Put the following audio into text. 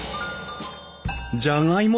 じゃがいも